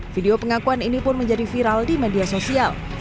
video pengakuan ini pun menjadi viral di media sosial